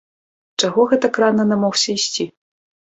Чаго гэтак рана намогся ісці?